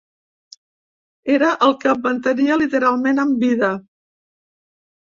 Era el que em mantenia literalment amb vida.